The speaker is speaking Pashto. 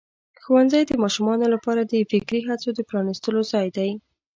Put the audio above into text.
ښوونځی د ماشومانو لپاره د فکري هڅو د پرانستلو ځای دی.